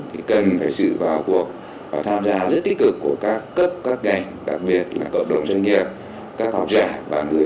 thì cần phải sự vào cuộc và tham gia rất tích cực của các cấp các ngành đặc biệt là cộng đồng doanh nghiệp